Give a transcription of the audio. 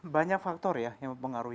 banyak faktor ya yang mempengaruhi